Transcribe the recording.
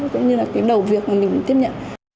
cũng như là đầu việc mình tiếp nhận